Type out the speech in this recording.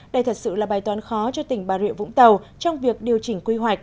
đây thật sự là bài toán khó cho tỉnh bà rịa vũng tàu trong việc điều chỉnh quy hoạch